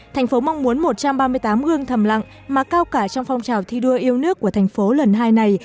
tp hcm mong muốn một trăm ba mươi tám gương thầm lặng mà cao cả trong phong trào thi đua yêu nước của tp hcm lần hai này